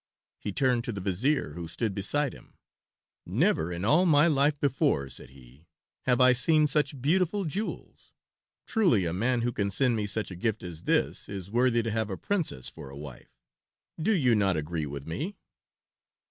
He turned to the Vizier, who stood beside him: "Never in all my life before," said he, "have I seen such beautiful jewels. Truly a man who can send me such a gift as this is worthy to have a princess for a wife. Do you not agree with me?"